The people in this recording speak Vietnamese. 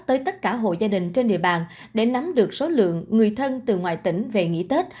tới tất cả hộ gia đình trên địa bàn để nắm được số lượng người thân từ ngoài tỉnh về nghỉ tết